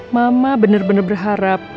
mama bener bener berharap